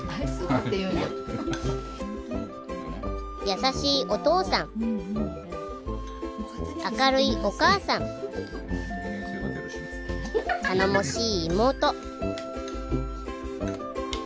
優しいお父さん明るいお母さん頼もしい妹